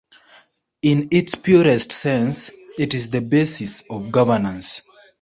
In its purest sense, it is the basis of governance.